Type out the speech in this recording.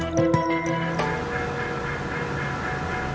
ก็ไม่น่าจะดังกึ่งนะ